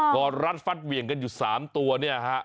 อดรัดฟัดเหวี่ยงกันอยู่๓ตัวเนี่ยฮะ